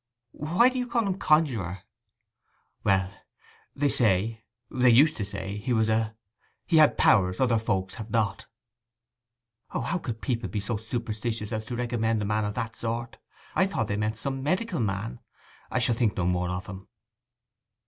'Why do you call him conjuror?' 'Well—they say—they used to say he was a—he had powers other folks have not.' 'O, how could my people be so superstitious as to recommend a man of that sort! I thought they meant some medical man. I shall think no more of him.